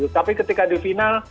tapi ketika di final